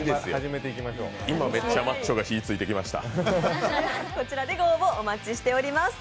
今、めっちゃマッチョが火ついてきました。